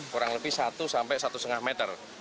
kurang lebih satu sampai satu lima meter